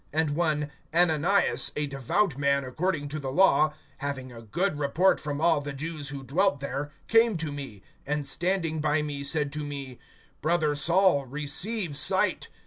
(12)And one Ananias, a devout man according to the law, having a good report from all the Jews who dwelt there, (13)came to me, and standing by me said to me: Brother Saul, receive sight.